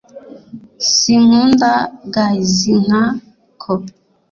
sinkunda guys nka ko